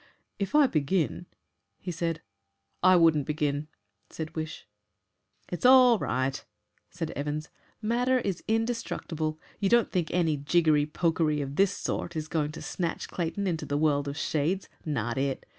"If I begin " he said. "I wouldn't begin," said Wish. "It's all right!" said Evans. "Matter is indestructible. You don't think any jiggery pokery of this sort is going to snatch Clayton into the world of shades. Not it!